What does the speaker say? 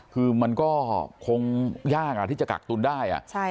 คือมันก็คงยากที่จะกักตุ้นได้